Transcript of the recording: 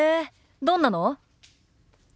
どんなの？